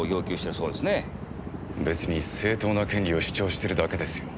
別に正当な権利を主張してるだけですよ。